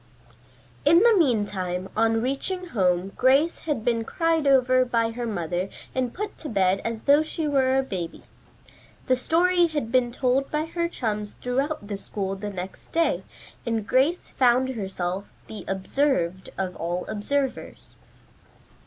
In the meantime, on reaching home Grace had been cried over by her mother and put to bed as though she were a baby. The story had been told by her chums throughout the school the next day, and Grace found herself the "observed of all observers."